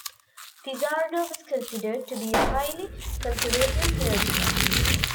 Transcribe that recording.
Pizzardo was considered to be a highly conservative clergyman.